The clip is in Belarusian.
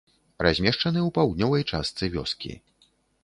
Размешчаны ў паўднёвай частцы вёскі.